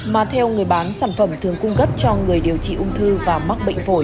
mà theo người bán sản phẩm thường cung cấp cho người điều trị ung thư và mắc bệnh phổi